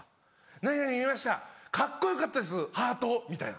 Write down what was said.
「何々見ましたカッコよかったです♥」みたいな。